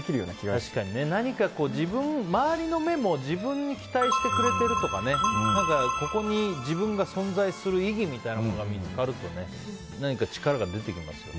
確かに、周りの目も自分に期待してくれてるとかここに自分が存在する意義みたいなものが見つかるとね何か力が出てきますよね。